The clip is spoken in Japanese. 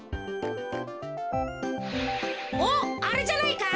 おっあれじゃないか？